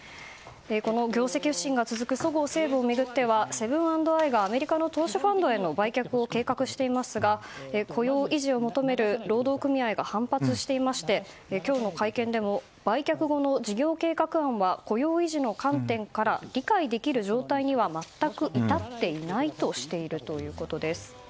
この業績不振が続くそごう・西武を巡ってはセブン＆アイがアメリカの投資ファンドへの売却を計画していますが雇用維持を求める労働組合が反発していまして今日の会見でも売却後の事業計画案は雇用維持の観点から理解できる状態には全く至っていないとしているということです。